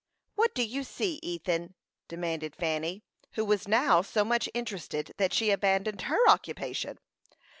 "What do you see, Ethan?" demanded Fanny, who was now so much interested that she abandoned her occupation.